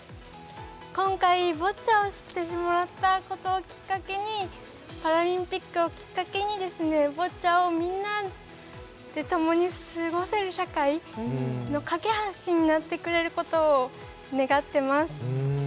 今回、ボッチャを知ってもらったことをきっかけにパラリンピックをきっかけにボッチャをみんなでともに過ごせる社会の懸け橋になってくれることを願っています。